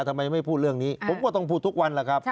ทำไมไม่พูดเรื่องนี้ผมก็ต้องพูดทุกวันแหละครับ